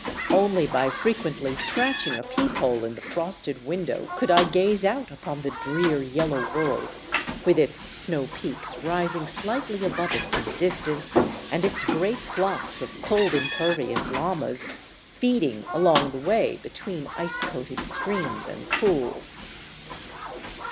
Only by frequently scratching a peep hole in the frosted window could I gaze out upon the drear yellow world, with its snow peaks rising slightly above it in the distance and its great flocks of cold impervious llamas feeding along the way between ice coated streams and pools.